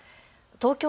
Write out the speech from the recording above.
東京